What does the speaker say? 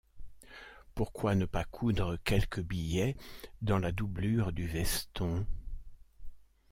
Pourquoi ne pas coudre quelques billets dans la doublure du veston ?